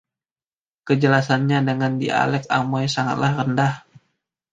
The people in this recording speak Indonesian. Kejelasannya dengan dialek Amoy sangatlah rendah.